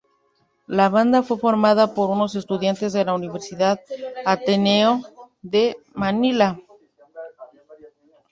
La banda fue formada por unos estudiantes de la Universidad Ateneo de Manila.